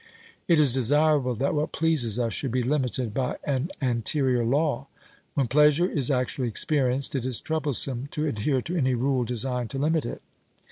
It is desirable that what pleases us should be limited by an anterior law. When pleasure is actually experienced it is troublesome to adhere to any rule designed to limit it.